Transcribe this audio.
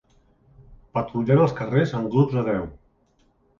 Patrullant els carrers en grups de deu